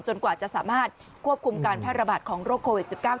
กว่าจะสามารถควบคุมการแพร่ระบาดของโรคโควิด๑๙